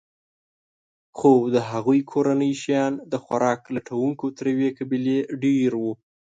خو د هغوی کورنۍ شیان د خوراک لټونکو تر یوې قبیلې ډېر وو.